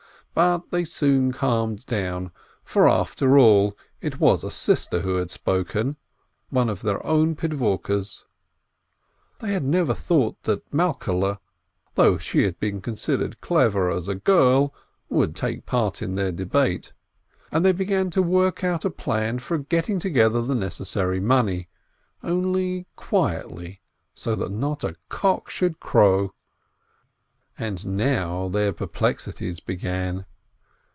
But they soon calmed down, for after all it was a sister who had spoken, one of their own Pidvorkes. They had never thought that Malkehle, though she had been considered clever as a girl, would take part in their debate; and they began to work out a plan for getting together the necessary money, only so quietly that not a cock should crow. And now their perplexities began